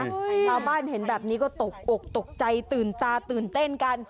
ชาวบ้านเห็นแบบนี้ก็ตกอกตกใจตื่นตาตื่นเต้นกัน